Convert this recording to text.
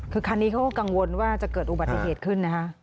คือคันนี้เขาก็กังวลว่าจะเกิดอุบัติเหตุขึ้นนะคะ